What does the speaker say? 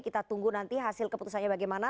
kita tunggu nanti hasil keputusannya bagaimana